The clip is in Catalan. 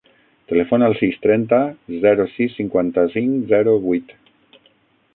Telefona al sis, trenta, zero, sis, cinquanta-cinc, zero, vuit.